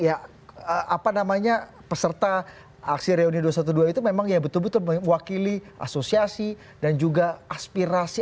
ya apa namanya peserta aksi reuni dua ratus dua belas itu memang ya betul betul mewakili asosiasi dan juga aspirasi